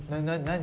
何？